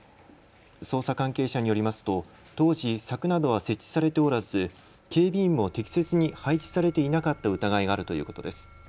捜査関係者によりますと当時、柵などは設置されておらず警備員も適切に配置されていなかった疑いがあるということです。